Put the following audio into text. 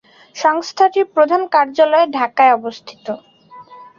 সংস্থাটির প্রধান কার্যালয় ঢাকায় অবস্থিত।